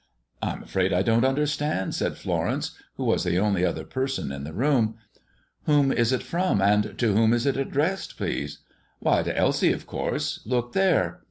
"I'm afraid I don't understand," said Florence, who was the only other person in the room. "Whom is it from, and to whom is it addressed, please?" "Why, to Elsie, of course. Look there!"